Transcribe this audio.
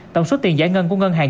tổng số tiền giải ngân của ngân hàng